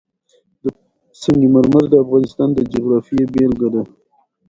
سنگ مرمر د افغانستان د جغرافیې بېلګه ده.